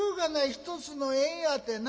一つの縁やてな。